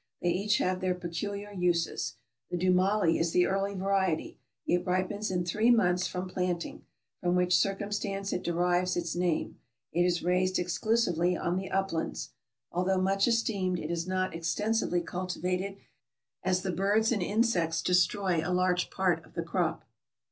They each have their peculiar uses. The dumali is the early variety ; it ripens in three months from planting, from which circumstance it derives its name ; it is raised ex clusively on the uplands. Although much esteemed, it is not extensively cultivated, as the birds and insects destroy a large part of the crop.